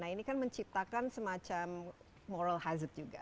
nah ini kan menciptakan semacam moral hazard juga